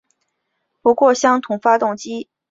不过相同发动机用在两架飞机也不尽相通。